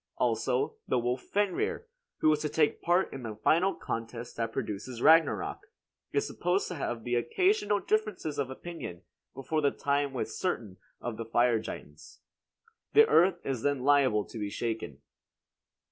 Also, the wolf Fenrir, who is to take part in the final contest that produces Ragnarok, is supposed to have occasional differences of opinion before the time with certain of the fire giants. The earth is then liable to be shaken.